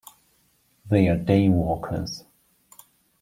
They are daywalkers.